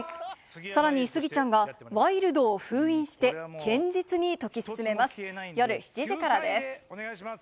さらにスギちゃんが、ワイルドを封印して、堅実に解き進めます。